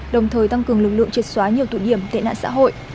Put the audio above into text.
đồng thời tăng cường lực lượng triệt xóa nhiều tụ điểm tệ nạn xã hội